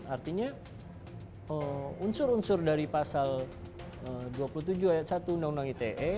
artinya unsur unsur dari pasal dua puluh tujuh ayat satu undang undang ite